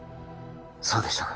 そうでしたか